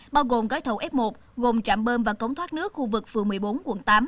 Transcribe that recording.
bao gồm gói thầu f một gồm trạm bơm và cống thoát nước khu vực phường một mươi bốn quận tám